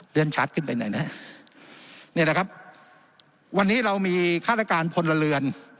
เรียนชัดขึ้นไปหน่อยนะฮะนี่แหละครับวันนี้เรามีฆาตการพลเรือน